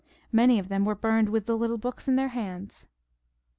Many of them were burned with the little books in their hands.